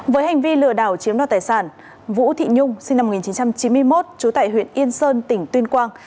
với hành vi lừa đảo chiếm đoạt tài sản vũ thị nhung sinh năm một nghìn chín trăm chín mươi một trú tại huyện yên sơn tỉnh tuyên quang